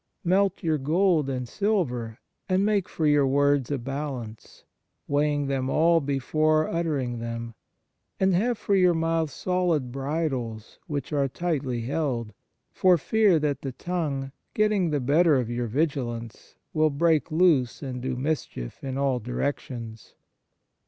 " Melt your gold and silver, and make for your words a balance " weighing them all before utter ing them "and have for your mouth solid bridles which are tightly held," for fear that the tongue, getting the better of your vigilance, will break loose and do mischief in all direc tions.